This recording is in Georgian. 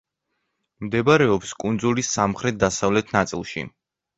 მდებარეობს კუნძულის სამხრეთ-დასავლეთ ნაწილში.